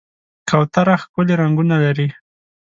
کوتره ښکلي رنګونه لري.